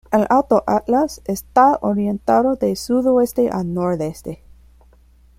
El Alto Atlas está orientado de sudoeste a nordeste.